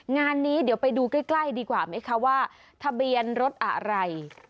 งานนี้เดี๋ยวไปดูใกล้ดีกว่าไหมคะว่าทะเบียนรถอะไร